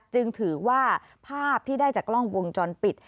จึงถือว่าภาพที่ได้จากกล้องวงจรปิด